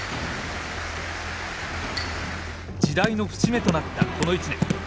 時代の節目となったこの一年。